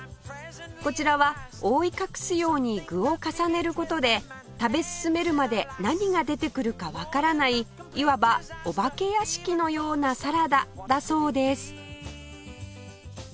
こちらは覆い隠すように具を重ねる事で食べ進めるまで何が出てくるかわからないいわばお化け屋敷のようなサラダだそうです